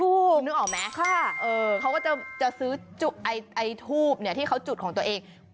ถูกค่ะคุณนึกออกไหมเออเขาก็จะซื้อไอ้ทูบเนี่ยที่เขาจุดของตัวเอง